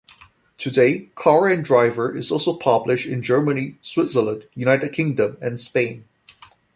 Today, "Car and Driver" is also published in Germany, Switzerland, United Kingdom and Spain.